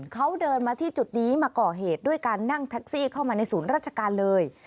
เขาเดินมาที่จุดนี้มาก่อเหตุด้วยการนั่งแท็กซี่เข้ามาในศูนย์ราชการเลย